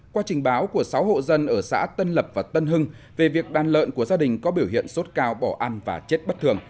qua trình báo của sáu hộ dân ở xã tân lập và tân hưng về việc đàn lợn của gia đình có biểu hiện sốt cao bỏ ăn và chết bất thường